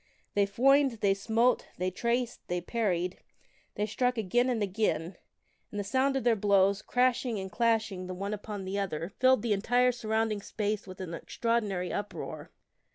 They foined, they smote, they traced, they parried, they struck again and again, and the sound of their blows, crash ing and clashing the one upon the other, filled the entire surrounding space with an extraordinary uproar.